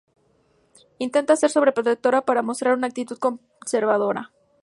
Intenta ser sobreprotectora para mostrar una actitud conservadora.